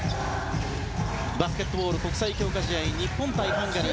バスケットボール国際強化試合日本対ハンガリー。